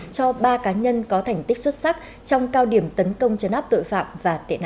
cho ba cá nhân có thành tích xuất sắc trong cao điểm tấn công chấn áp tội phạm và tệ nạn